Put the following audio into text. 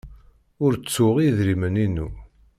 Ur ttuɣ idrimen-inu.